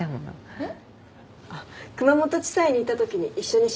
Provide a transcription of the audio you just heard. えっ？